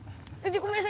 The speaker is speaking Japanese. ごめんなさい！